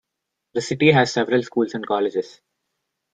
The city has several schools and colleges.